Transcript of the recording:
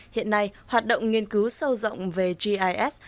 hiện nay hoạt động nghiên cứu sâu rộng về gis